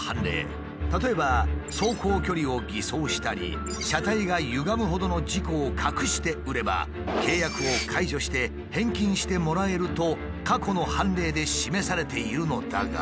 例えば走行距離を偽装したり車体がゆがむほどの事故を隠して売れば契約を解除して返金してもらえると過去の判例で示されているのだが。